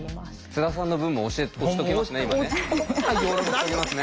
津田さんの分も押しときますね